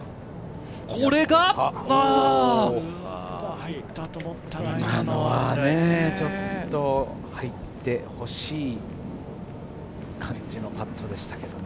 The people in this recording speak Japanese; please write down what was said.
入ったと思ったな、ちょっと入ってほしい感じのパットでしたけどね。